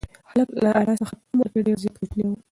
هلک له انا څخه په عمر کې ډېر زیات کوچنی دی.